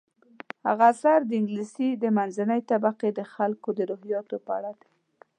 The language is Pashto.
هغه اثر د انګلیس د منځنۍ طبقې د خلکو د روحیاتو په اړه دی.